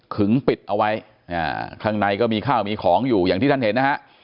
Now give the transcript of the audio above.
ปิดเอาไว้ข้างในก็มีข้าวมีของอยู่อย่างที่ท่านเห็นนะฮะ